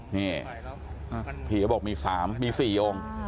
นี่ผีบอกมี๓มี๔องค์